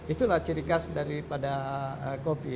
itulah ciri khas daripada kopi